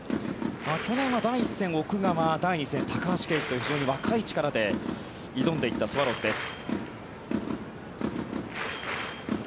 去年は第１戦、奥川第２戦、高橋奎二という非常に若い力で挑んでいったスワローズです。